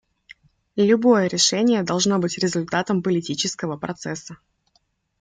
Любое решение должно быть результатом политического процесса.